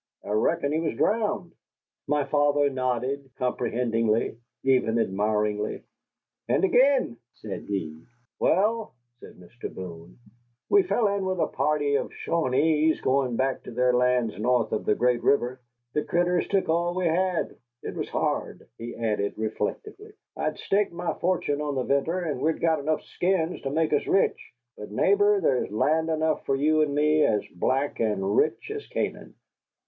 I reckon he was drowned." My father nodded comprehendingly, even admiringly. "And again!" said he. "Wal," said Mr. Boone, "we fell in with a war party of Shawnees going back to their lands north of the great river. The critters took away all we had. It was hard," he added reflectively; "I had staked my fortune on the venter, and we'd got enough skins to make us rich. But, neighbor, there is land enough for you and me, as black and rich as Canaan."